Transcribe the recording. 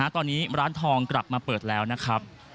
ตอนนี้ร้านทองกลับมาเปิดแล้วนะครับ